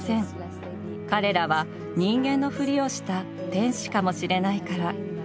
彼らは人間のふりをした天使かもしれないから」。